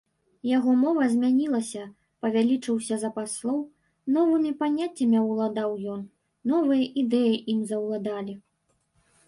Яго мова змянілася, павялічыўся запас слоў, новымі паняццямі аўладаў ён, новыя ідэі ім заўладалі.